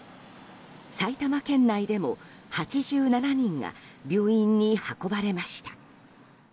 埼玉県内でも８７人が病院に運ばれました。